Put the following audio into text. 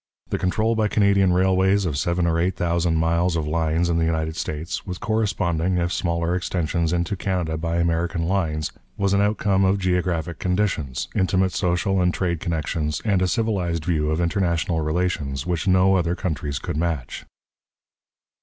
The control by Canadian railways of seven or eight thousand miles of lines in the United States, with corresponding, if smaller, extensions into Canada by American lines, was an outcome of geographic conditions, intimate social and trade connections, and a civilized view of international relations which no other countries could match.